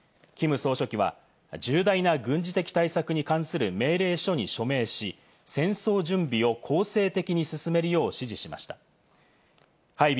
キム総書記は、重大な軍事的対策に関する命令書に署名し、戦争準備を攻勢的に進めるよう指示しました。